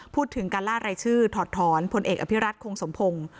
พูดถึงการล่ารายชื่อถอดถอนพลเอกอภิรัตคงสมพงศ์